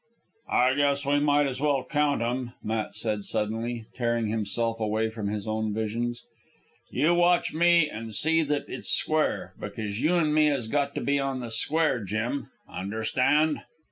"I guess we might as well count 'em," Matt said suddenly, tearing himself away from his own visions. "You watch me an' see that it's square, because you an' me has got to be on the square, Jim. Understand?"